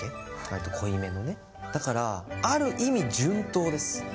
わりと濃いめのねだからある意味順当です